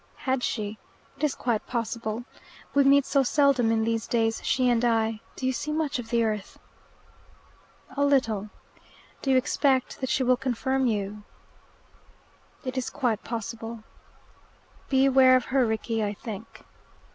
"Has she? It is quite possible. We meet so seldom in these days, she and I. Do you see much of the earth?" "A little." "Do you expect that she will confirm you?" "It is quite possible." "Beware of her, Rickie, I think."